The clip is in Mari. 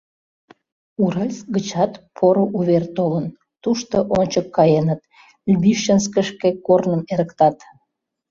Уральск гычат пуро увер толын: тушто ончык каеныт, Лбищенскшке корным эрыктат.